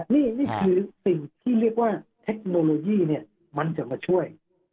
นี่คือสิ่งที่เรียกว่าเทคโนโลยีมันจะมาช่วย